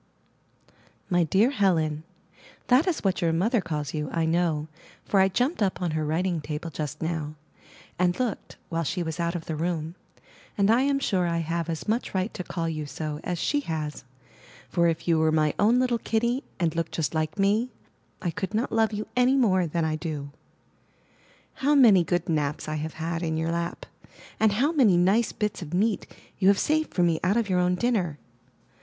My dear Helen: That is what your mother calls you, I know, for I jumped up on her writing table just now, and looked, while she was out of the room; and I am sure I have as much right to call you so as she has, for if you were my own little kitty, and looked just like me, I could not love you any more than I do. How many good naps I have had in your lap! and how many nice bits of meat you have saved for me out of your own dinner!